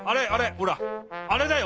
ほらあれだよ！